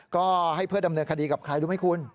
ก็ให้เพื่อดำเนินคดีกับใครรู้ไหมคุณ